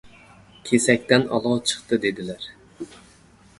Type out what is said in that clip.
Kesakdan olov chiqdi, dedilar.